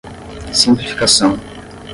Simplificação